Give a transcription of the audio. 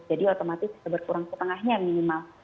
jadi otomatis berkurang setengahnya minimal